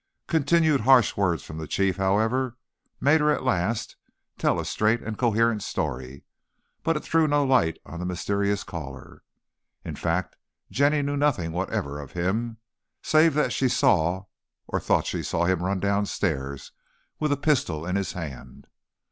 Continued harsh words from the Chief, however, made her at last tell a straight and coherent story, but it threw no light on the mysterious caller. In fact, Jenny knew nothing whatever of him, save that she saw or thought she saw him run downstairs, with a pistol in his hand.